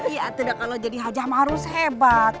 iya tidak kalau jadi hajam harus hebat